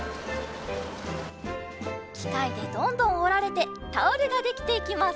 きかいでどんどんおられてタオルができていきます。